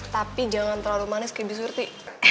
tapi jangan terlalu manis kayak bisurti